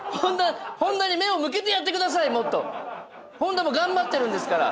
本田も頑張ってるんですから。